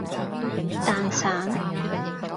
蛋散